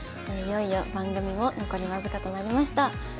いよいよ番組も残り僅かとなりました。